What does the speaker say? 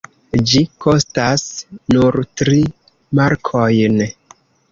Ĝi kostas nur tri markojn.